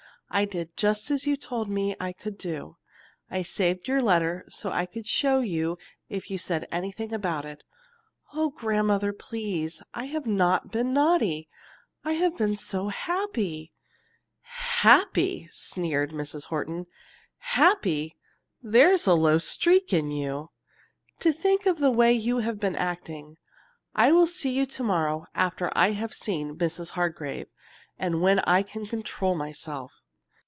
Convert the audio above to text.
"I did just as you told me I could do. I saved your letter so I could show you if you said anything about it. Oh, grandmother, please, I have not been naughty! I have been so happy." "Happy!" sneered Mrs. Horton. "Happy! There is a low streak in you. To think of the way you have been acting I will see you to morrow after I have seen Mrs. Hargrave, and when I can control myself."